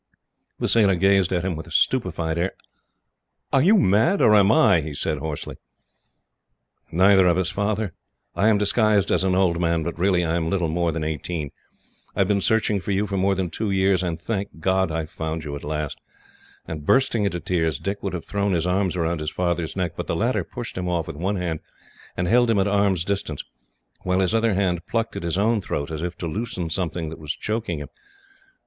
The sailor gazed at him with a stupefied air. "Are you mad, or am I?" he said hoarsely. "Neither of us, Father. I am disguised as an old man, but really I am little more than eighteen. I have been searching for you for more than two years, and, thank God, I have found you at last;" and, bursting into tears, Dick would have thrown his arms round his father's neck, but the latter pushed him off with one hand, and held him at arm's distance, while his other hand plucked at his own throat, as if to loosen something that was choking him.